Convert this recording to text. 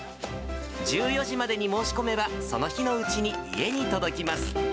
１４時までに申し込めば、その日のうちに家に届きます。